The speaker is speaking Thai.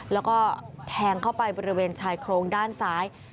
แล้วก็แทงเข้าไปบริเวณชายโครงด้านซ้าย